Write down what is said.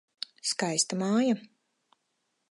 Skaista māja.